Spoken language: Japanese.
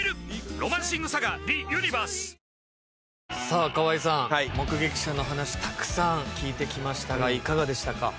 さあ河合さん目ゲキシャの話たくさん聞いてきましたがいかがでしたか？